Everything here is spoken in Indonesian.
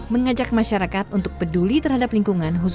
mengajak masyarakat untuk peduli terhadap lingkungan